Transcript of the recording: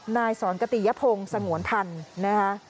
นายสอนกะติยะพงสงวนธัณฑ์นะคะ